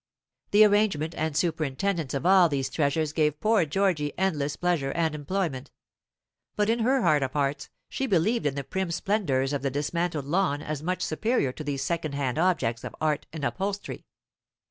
The arrangement and superintendence of all these treasures gave poor Georgy endless pleasure and employment; but in her heart of hearts she believed in the prim splendours of the dismantled Lawn as much superior to these second hand objects of art and upholstery.